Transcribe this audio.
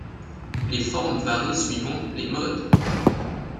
Les formes varient suivant les modes.